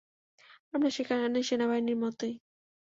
আমরা সেখানে সেনাবাহিনীর মতোই।